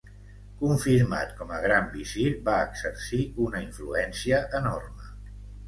Confirmat com a gran visir va exercir una influència enorme.